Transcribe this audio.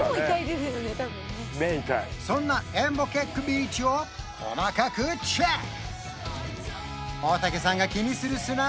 そんなエン・ボケックビーチを細かくチェック！